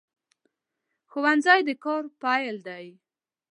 ښوونځی د کار پیل دی